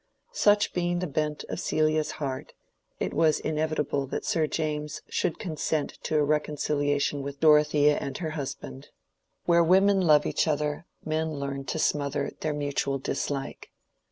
Such being the bent of Celia's heart, it was inevitable that Sir James should consent to a reconciliation with Dorothea and her husband. Where women love each other, men learn to smother their mutual dislike.